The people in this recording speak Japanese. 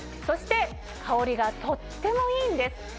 そして香りがとってもいいんです。